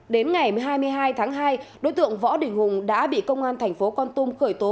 đến ngày hai mươi hai tháng hai đối tượng võ đình hùng đã bị công an thành phố con tum khởi tố